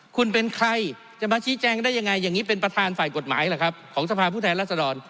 คุณเป็นใครจะมาชี้แจงได้ยังไงอย่างนี้เป็นประธานฝ่ายกฎหมายหรือครับของสภาพผู้แทนรัศดร